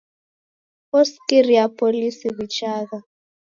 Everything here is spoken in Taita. Osikira polisi w'ichagha.